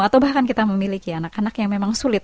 atau bahkan kita memiliki anak anak yang memang sulit